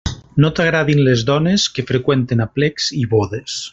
No t'agradin les dones, que freqüenten aplecs i bodes.